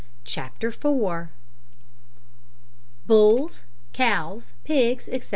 CHAPTER IV BULLS, COWS, PIGS, ETC.